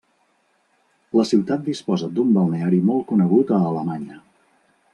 La ciutat disposa d'un Balneari molt conegut a Alemanya.